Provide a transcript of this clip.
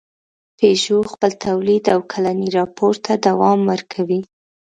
پيژو خپل تولید او کلني راپور ته دوام ورکوي.